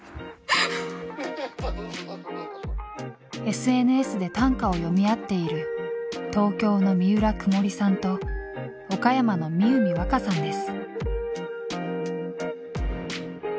ＳＮＳで短歌を詠み合っている東京の三浦くもりさんと岡山の深海若さんです。